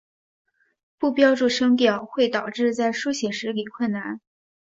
不标注声调会导致在书写时理困难。